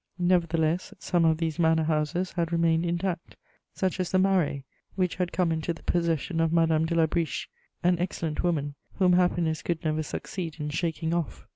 Nevertheless, some of these manor houses had remained intact, such as the Marais, which had come into the possession of Madame de La Briche, an excellent woman, whom happiness could never succeed in shaking off.